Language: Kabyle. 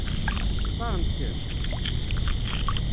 Xtaṛent-kem?